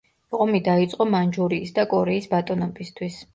ომი დაიწყო მანჯურიის და კორეის ბატონობისთვის.